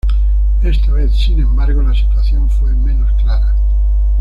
Esta vez, sin embargo, la situación fue menos clara.